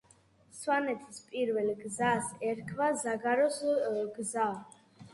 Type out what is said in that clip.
სვანეთის პირველი გზას ერქვა ზაგაროს გზა